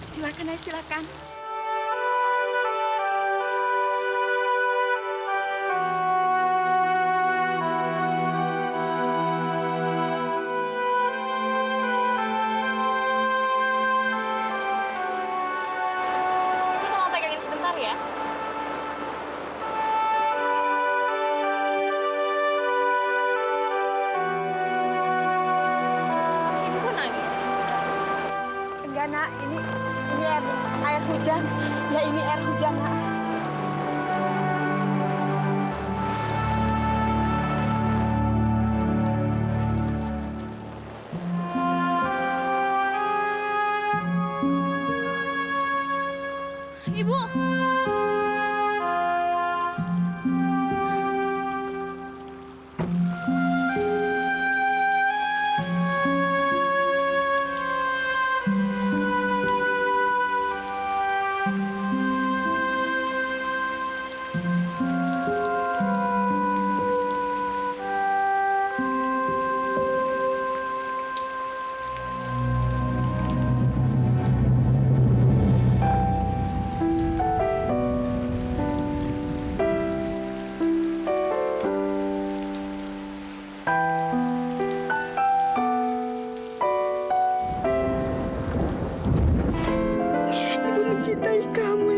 tidak akan pernah berhenti mencintai kamu